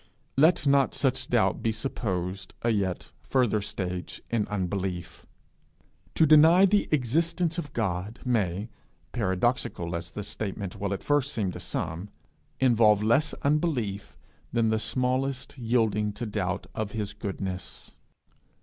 Let not such doubt be supposed a yet further stage in unbelief. To deny the existence of God may, paradoxical as the statement will at first seem to some, involve less unbelief than the smallest yielding to doubt of his goodness.